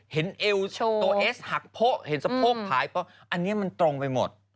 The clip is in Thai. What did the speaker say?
เห็นเอวตัวเอสหักโผะเห็นสะโพกผายอันนี้มันตรงไปหมด